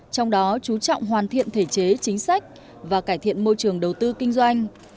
trong đó chú trọng hoàn thiện thể chế chính sách và cải thiện môi trường đầu tư kinh doanh